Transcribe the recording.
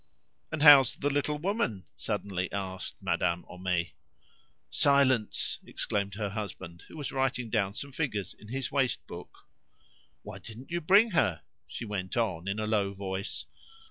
"And how's the little woman?" suddenly asked Madame Homais. "Silence!" exclaimed her husband, who was writing down some figures in his waste book. "Why didn't you bring her?" she went on in a low voice.